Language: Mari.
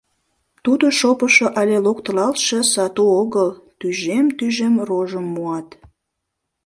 Тудо шопышо але локтылалтше сату огыл, тӱжем-тӱжем рожым муат.